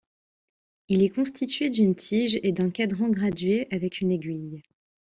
Il est constitué d'une tige et d'un cadran gradué avec une aiguille.